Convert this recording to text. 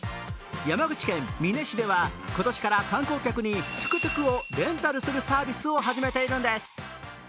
山口県美祢市では、今年から観光客にトゥクトゥクをレンタルするサービスを始めているんです。